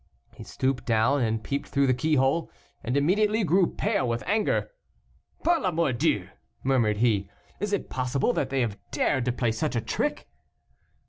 He stooped down and peeped through the keyhole, and immediately grew pale with anger. "Par la mordieu!" murmured he, "is it possible that they have dared to play such a trick?"